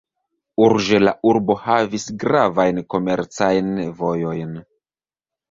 Urĝe la urbo havis gravajn komercajn vojojn.